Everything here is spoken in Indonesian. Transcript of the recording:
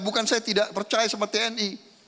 bukan saya tidak percaya sama tni